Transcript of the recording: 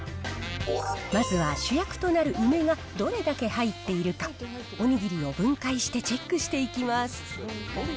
まずは主役となる梅がどれだけ入っているか、おにぎりを分解してチェックしていきます。